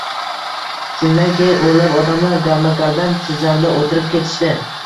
Shundan keyin o`nlab odamlar galma-galdan tizzamda o`tirib ketishdi